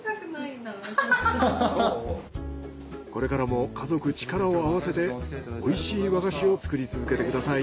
これからも家族力を合わせて美味しい和菓子を作り続けてください。